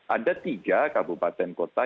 ada tiga kabupaten kota